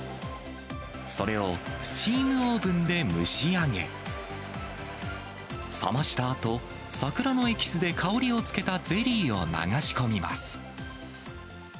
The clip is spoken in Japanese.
それをスチームオーブンで蒸し上げ、冷ましたあと、桜のエキスで香りをつけたゼリーを流し込みます。